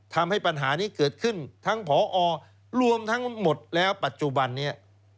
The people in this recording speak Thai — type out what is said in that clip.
ทำให้ปัญหานี้เกิดขึ้นทั้งผอรวมทั้งหมดแล้วปัจจุบันนี้